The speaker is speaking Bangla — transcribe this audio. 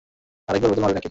আরেকবার বোতল মারবি না-কি?